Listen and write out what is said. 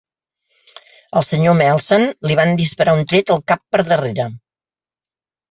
Al Sr. Melson li van disparar un tret al cap per darrere.